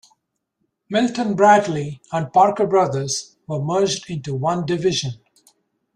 Milton Bradley and Parker Brothers were merged into one division.